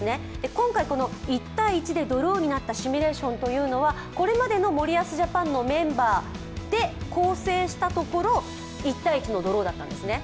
今回この１−１でドローになったシミュレーションというのは、これまでの森保ジャパンのメンバーで構成したところ１−１のドローだったんですね。